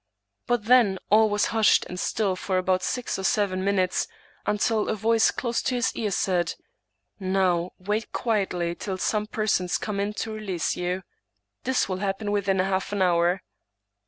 But then all was hushed and still for about six or seven min utes, until a voice close to his ear said, " Now, wait quietly till some persons come in to release you. This will happen within half an hour."